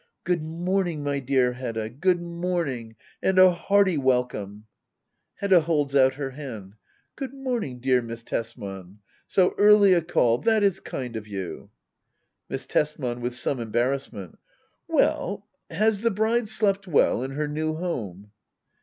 ] Good mornings my dear Hedda ! Good morning, and a hearty welcome ! Hedda. [Holds out her hand.] Good morning, dear Miss Tesman ! So early a call ! That is l^d of you. Miss Tesman. [With some embarrassment,] Well — has the bride slept well in her new home